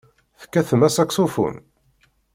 Tekkatem asaksufun?